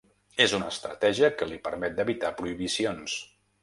És una estratègia que li permet d’evitar prohibicions.